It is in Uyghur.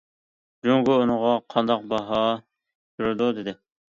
جۇڭگو بۇنىڭغا قانداق باھا بېرىدۇ؟ دېدى.